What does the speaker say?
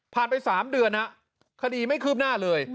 ไป๓เดือนคดีไม่คืบหน้าเลย